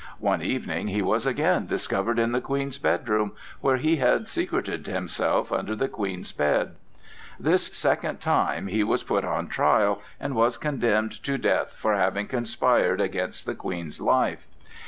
One evening he was again discovered in the Queen's bedroom, where he had secreted himself under the Queen's bed. This second time he was put on trial, and was condemned to death for having conspired against the Queen's life.